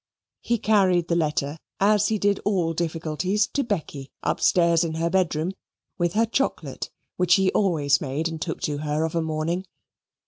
He carried the letter, as he did all difficulties, to Becky, upstairs in her bedroom with her chocolate, which he always made and took to her of a morning.